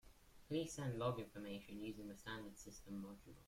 Please send log information using the standard system module.